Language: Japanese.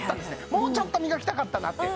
もうちょっと磨きたかったなって